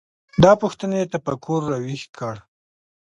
دا پوښتنې تفکر راویښ کړل.